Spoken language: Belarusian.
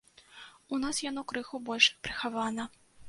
У нас яно крыху больш прыхавана.